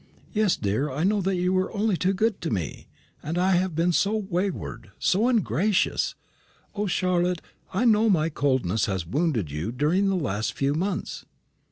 "Yes, dear, I know that you are only too good to me and I have been so wayward, so ungracious. O, Charlotte, I know my coldness has wounded you during the last few months."